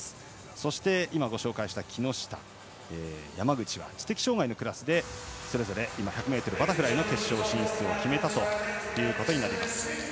そして、木下と山口は知的障がいのクラスでそれぞれ１００ｍバタフライの決勝進出を決めたことになります。